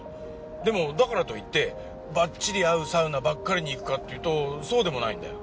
でもだからといってバッチリ合うサウナばっかりに行くかっていうとそうでもないんだよ。